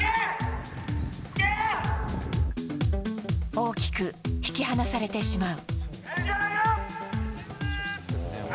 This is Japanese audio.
大きく引き離されてしまう。